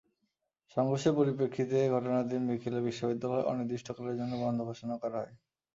সংঘর্ষের পরিপ্রেক্ষিতে ঘটনার দিন বিকেলে বিশ্ববিদ্যালয় অনির্দিষ্টকালের জন্য বন্ধ ঘোষণা করা হয়।